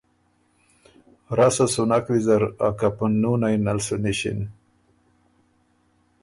رسه سُو نک ویزر، ا کپنُونئ یه نل سُو نِݭِن۔